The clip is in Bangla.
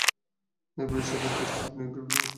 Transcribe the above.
এই বয়সে ভঙ্গুর হাঁড় নিয়ে বিপদে পড়বে, এটুকুই বলছি।